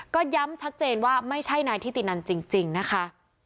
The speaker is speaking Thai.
ก็ย้ำชัดเจนว่าไม่ใช่นายทิตินันจริงนะคะ